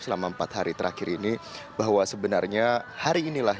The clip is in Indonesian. selama empat hari terakhir ini bahwa sebenarnya hari inilah